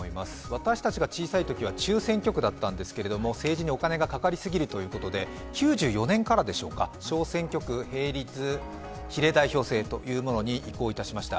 私たちが小さいときは中選挙区だったんですけれども、政治にお金がかかりすぎるということで９４年からでしょうか小選挙区並立比例代表制というものに移行しました。